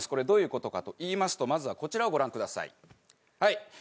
どういうことかといいますとまずはこちらをご覧ください。